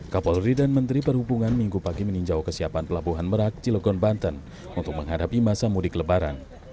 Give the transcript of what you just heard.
kapolri dan menteri perhubungan minggu pagi meninjau kesiapan pelabuhan merak cilogon banten untuk menghadapi masa mudik lebaran